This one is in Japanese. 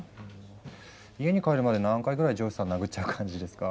家に帰るまで何回ぐらい上司さん殴っちゃう感じですか？